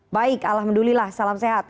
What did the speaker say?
baik alhamdulillah salam sehat